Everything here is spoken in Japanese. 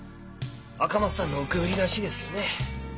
赤松さんの受け売りらしいですけどね。